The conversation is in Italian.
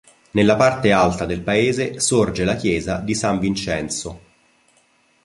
Nella parte alta del paese, sorge la chiesa di San Vincenzo.